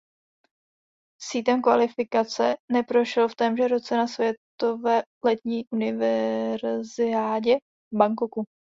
Sítem kvalifikace neprošel v témže roce na světové letní univerziádě v Bangkoku.